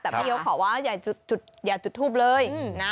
แต่พระเฮียวขอว่าอย่าจุดทุบเลยนะ